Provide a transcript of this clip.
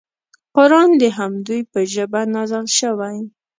قران د همدوی په ژبه نازل شوی.